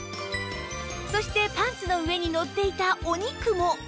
そしてパンツの上にのっていたお肉も